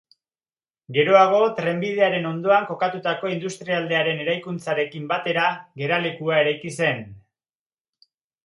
Geroago, trenbidearen ondoan kokatutako industrialdearen eraikuntzarekin batera geralekua eraiki zen.